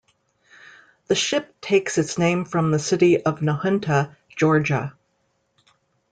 The ship takes its name from the city of Nahunta, Georgia.